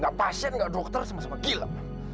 gak pasien nggak dokter sama sama gila